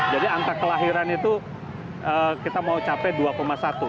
jadi antar kelahiran itu kita mau capai dua satu